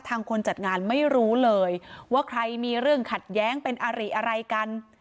คนจัดงานไม่รู้เลยว่าใครมีเรื่องขัดแย้งเป็นอาริอะไรกัน